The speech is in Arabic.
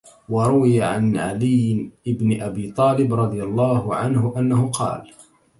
وَرُوِيَ عَنْ عَلِيِّ بْنِ أَبِي طَالِبٍ رَضِيَ اللَّهُ عَنْهُ أَنَّهُ قَالَ